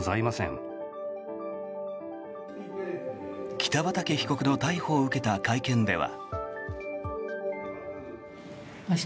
北畠被告の逮捕を受けた会見では。